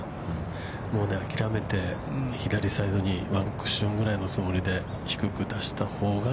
もう諦めて、左サイドにワンクッションぐらいのつもりで低く出したほうが。